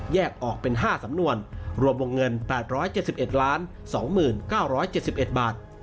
ออกเป็น๕สำนวนรวมวงเงิน๘๗๑๒๙๗๑บาท